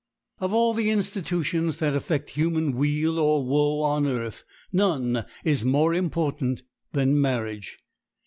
Of all the institutions that effect human weal or woe on earth none is more important than marriage.